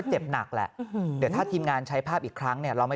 เจ็บหนักแหละเดี๋ยวถ้าทีมงานใช้ภาพอีกครั้งเนี่ยเราไม่